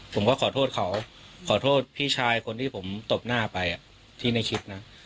ผมก็ขอโทษเขาขอโทษพี่ชายคนที่ผมตบหน้าไปที่ในคลิปนะ